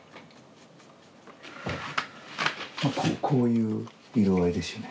こういう色合いですよね。